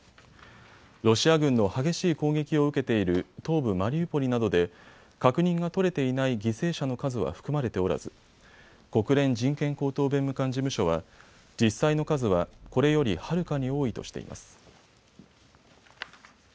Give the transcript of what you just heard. ロシア軍の激しい攻撃を受けている東部マリウポリなどで確認が取れていない犠牲者の数は含まれておらず国連人権高等弁務官事務所は実際の数はこれよりはるかに多いとしています。